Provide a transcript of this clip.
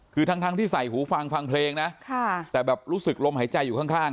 คือทั้งที่ใส่หูฟังฟังเพลงนะแต่แบบรู้สึกลมหายใจอยู่ข้าง